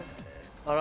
あら。